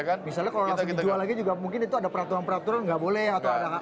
misalnya kalau langsung dijual lagi mungkin itu ada peraturan peraturan tidak boleh ya